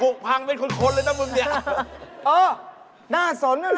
กุกพังเป็นคนเลยนะมึง